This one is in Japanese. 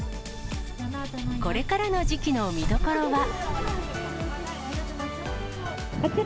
これからの時期の見どころは。